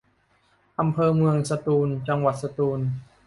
อำเภอเมืองสตูล จังหวัดสตูล